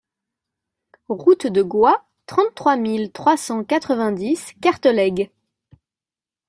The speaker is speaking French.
Route de Gouas, trente-trois mille trois cent quatre-vingt-dix Cartelègue